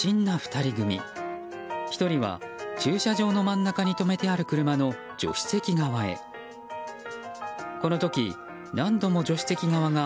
１人は駐車場の真ん中に止めてある車の助手席側に。